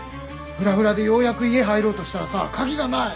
フラフラでようやく家入ろうとしたらさ鍵がない！